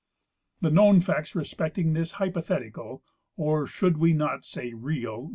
The known facts respecting this hypothetical (or should we not say real?)